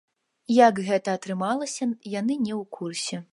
Як гэта атрымалася, яны не ў курсе.